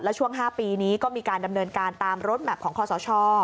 ช่วง๕ปีนี้ก็มีการดำเนินการตามรถแมพของคอสช